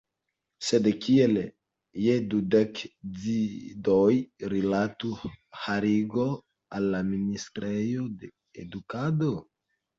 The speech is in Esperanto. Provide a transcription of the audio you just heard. Sed kiel je dudek didoj rilatu haringo al la ministrejo de edukado?